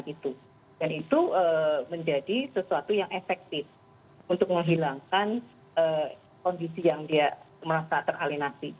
dan itu menjadi sesuatu yang efektif untuk menghilangkan kondisi yang dia merasa teralinasi